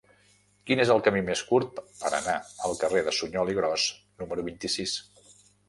Quin és el camí més curt per anar al carrer de Suñol i Gros número vint-i-sis?